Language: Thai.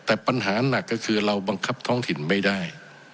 แต่ปัญหาหนักก็คือเราบังคับท้องถิ่นไม่ได้